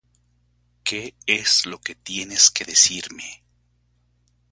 ¿Qué es lo que tienes que decirme?